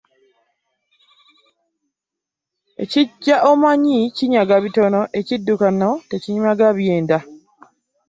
Ekijja omanyi kinyaga bitono , ekidukano tkinyaga byenda .